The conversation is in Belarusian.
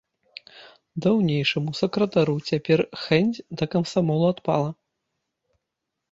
Даўнейшаму сакратару цяпер хэнць да камсамолу адпала.